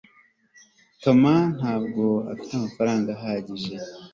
tom ntabwo afite amafaranga ahagije